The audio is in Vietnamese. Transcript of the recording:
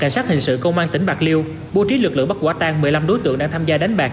xã sự công an tỉnh bạc liêu bố trí lực lượng bắt quả tang một mươi năm đối tượng đang tham gia đánh bạc